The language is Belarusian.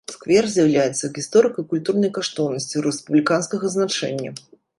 Сквер з'яўляецца гісторыка-культурнай каштоўнасцю рэспубліканскага значэння.